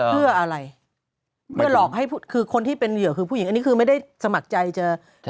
เพื่ออะไรเพื่อหลอกให้คือคนที่เป็นเหยื่อคือผู้หญิงอันนี้คือไม่ได้สมัครใจจะ